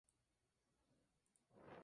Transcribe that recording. Fue miembro del Opus Dei.